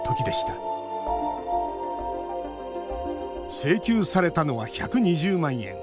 請求されたのは１２０万円。